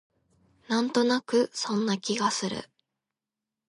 なんとなくそんな気がする